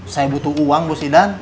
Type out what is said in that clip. saya butuh uang bos idan